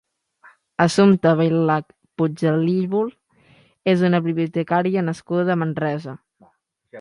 Assumpta Bailac Puigdellívol és una bibliotecària nascuda a Manresa.